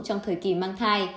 trong thời kỳ mang thai